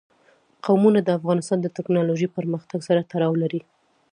قومونه د افغانستان د تکنالوژۍ پرمختګ سره تړاو لري.